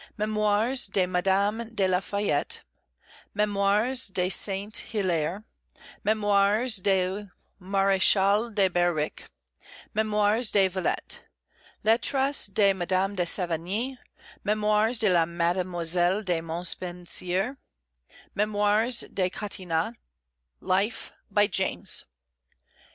Mémoires de Madame de la Fayette; Mémoires de St. Hilaire; Mémoires du Maréchal de Berwick; Mémoires de Vilette; Lettres de Madame de Sévigné; Mémoires de Mademoiselle de Montpensier; Mémoires de Catinat; Life, by James.